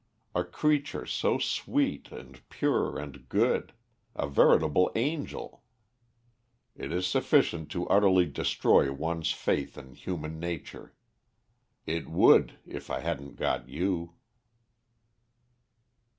A creature so sweet and pure and good, a veritable angel! It is sufficient to utterly destroy one's faith in human nature. It would if I hadn't got you."